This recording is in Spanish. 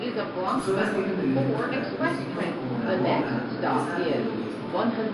Sus obras tienen elementos característicos como el amor, la naturaleza y el heroísmo.